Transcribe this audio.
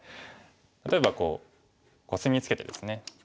例えばコスミツケてですね。